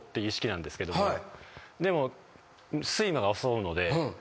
でも睡魔が襲うので。